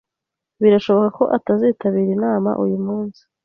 Birashoboka ko atazitabira inama uyu munsi.